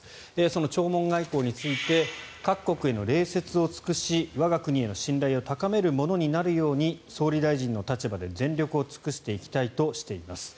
その弔問外交について各国への礼節を尽くし我が国への信頼を高めるものになるように総理大臣の立場で全力を尽くしていきたいとしています。